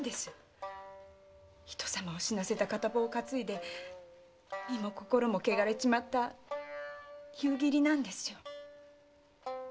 人様を死なせた片棒をかついで身も心も汚れちまった夕霧なんですよ。